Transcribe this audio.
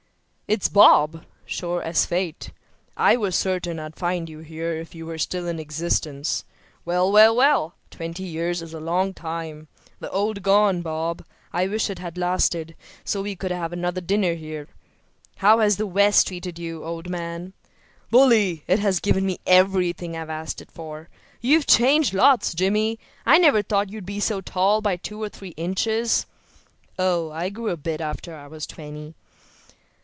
"It's Bob, sure as fate. I was certain I'd find you here if you were still in existence. Well, well, well! twenty years is a long time. The old gone, Bob; I wish it had lasted, so we could have had another dinner there. How has the West treated you, old man?" "Bully; it has given me everything I asked it for. You've changed lots, Jimmy. I never thought you were so tall by two or three inches." "Oh, I grew a bit after I was twenty."